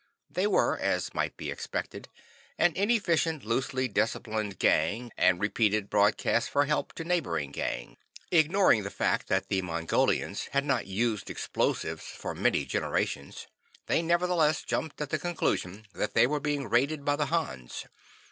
They were, as might be expected, an inefficient, loosely disciplined gang, and repeated broadcasts for help to neighboring gangs. Ignoring the fact that the Mongolians had not used explosives for many generations, they nevertheless jumped at the conclusion that they were being raided by the Hans.